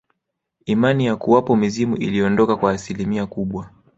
Imani ya kuwapo mizimu iliondoka kwa asilimia kubwa